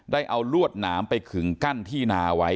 ได้เอาลวดหนามไปขึงกั้นที่นาไว้